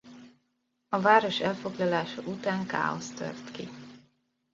A város elfoglalása után káosz tört ki.